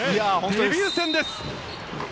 デビュー戦です。